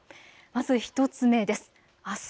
まず１つ目です。